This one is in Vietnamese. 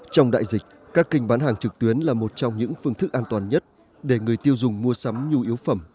trong đại dịch các kênh bán hàng trực tuyến là một trong những phương thức an toàn nhất để người tiêu dùng mua sắm nhu yếu phẩm